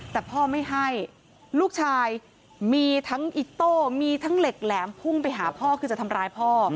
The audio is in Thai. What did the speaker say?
แต่พ่อไม่ให้ลูกชายมีทั้งอิโต้มีทั้งเหล็กแหลมพุ่งไปหาพ่อคือจะทำร้ายพ่อ